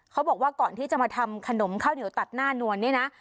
เขาบอกว่าก่อนที่จะมาทำขนมข้าวเหนียวตัดหน้านวลเนี่ยนะ